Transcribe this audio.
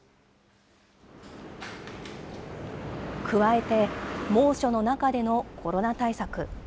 加えて、猛暑の中でのコロナ対策。